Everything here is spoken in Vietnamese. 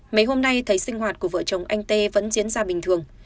mấy hôm nay thấy sinh hoạt của vợ chồng anh tê vẫn diễn ra bình thường